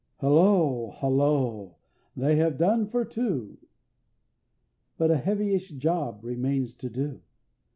Halloo! Halloo! They have done for two! But a heavyish job remains to do!